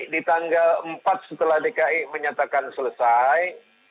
di tanggal empat setelah dki menyatakan selesai